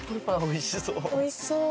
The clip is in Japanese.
おいしそう！